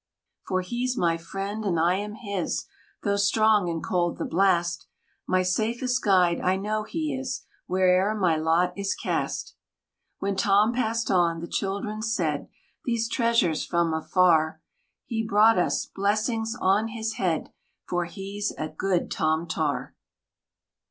"For he's my Friend and I am his! Though strong and cold the blast, My safest guide I know he is Where'er my lot is cast." When Tom passed on, the children said, "These treasures from afar He brought us! Blessings on his head! For he's a good Tom Tar!"